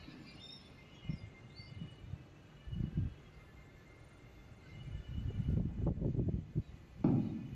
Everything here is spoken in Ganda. Oluguudo lwa Nnantawetwa awamu n'ekizimbe Kya Bulange